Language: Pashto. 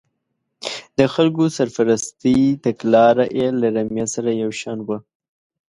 د خلکو سرپرستۍ تګلاره یې له رمې سره یو شان وه.